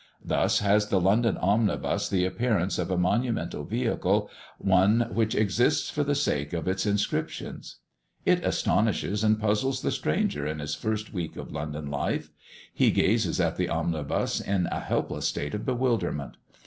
Thus has the London omnibus the appearance of a monumental vehicle, one which exists for the sake of its inscriptions. It astonishes and puzzles the stranger in his first week of London life; he gazes at the omnibus in a helpless state of bewilderment.